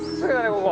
ここ。